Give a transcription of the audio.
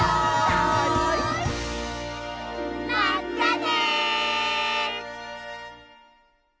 まったね！